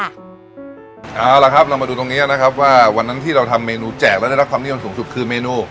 เอาล่ะครับเรามาดูตรงนี้นะครับว่าวันนั้นที่เราทำเมนูแจกแล้วได้รับความนิยมสูงสุดคือเมนู